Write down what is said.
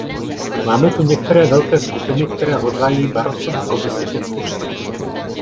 Máme tu některé velké skupiny, které hodlají Barrosovu Komisi podpořit.